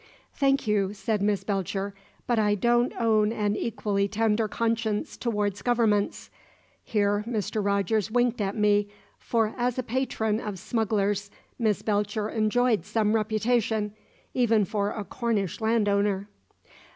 "Thank you," said Miss Belcher; "but I don't own an equally tender conscience towards Governments." Here Mr. Rogers winked at me, for as a patron of smugglers Miss Belcher enjoyed some reputation, even for a Cornish landowner.